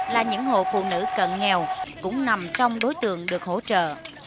là những hộ phụ nữ cận nghèo cũng nằm trong đối tượng được hỗ trợ